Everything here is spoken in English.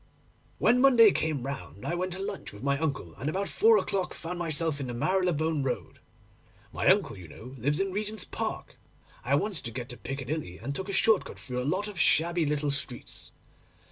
'When Monday came round I went to lunch with my uncle, and about four o'clock found myself in the Marylebone Road. My uncle, you know, lives in Regent's Park. I wanted to get to Piccadilly, and took a short cut through a lot of shabby little streets.